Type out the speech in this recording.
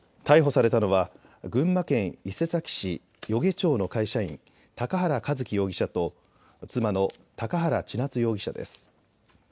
逮捕されたのは群馬県伊勢崎市除ケ町の会社員高原一貴容疑者と妻の高原千夏容疑者です。